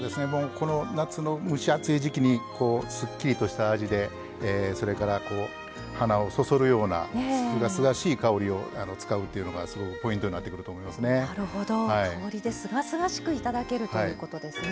この夏の蒸し暑い時季にすっきりとした味でそれから、鼻をそそるようなすがすがしい香りを使うというのがすごくポイントになってくると思いますね。